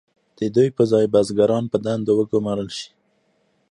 د دوی پر ځای بزګران په دندو وګمارل شول.